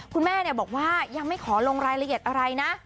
คุณแม่บอกว่ายังไม่ขอลงรายละเอียดอะไรนะ